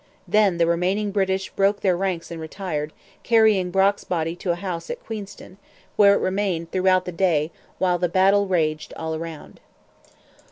Then the remaining British broke their ranks and retired, carrying Brock's body into a house at Queenston, where it remained throughout the day, while the battle raged all round.